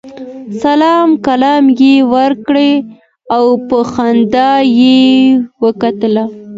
سلام کلام یې وکړ او په خندا یې وکتل.